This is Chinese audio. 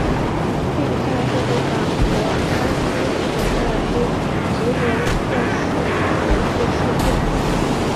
佩萨克是法国阿基坦大区吉伦特省的一个市镇。